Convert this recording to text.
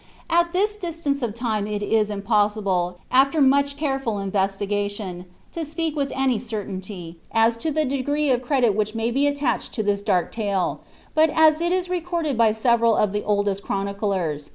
At tliis distance of time it is impossible, after most careful inve« ligpitiiin, tO speak with any certainty, as to the degree of credit which may be attar.h«d to this dark talc ; but as il is recorded by several of ihe (ilil«st clironiclerv.